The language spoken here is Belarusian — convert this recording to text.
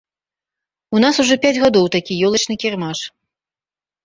У нас ужо пяць гадоў такі ёлачны кірмаш.